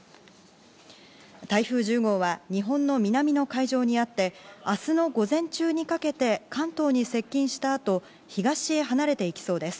台風１０号は日本の南の海上にあって明日の午前中にかけて関東に接近したあと東へ離れていきそうです。